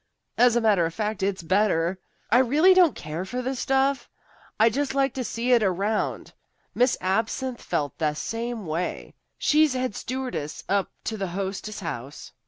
As a matter of fact, it's better. I don't really care for the stuff; I just like to see it around. Miss Absinthe felt the same way. She's head stewardess up to the Hostess House."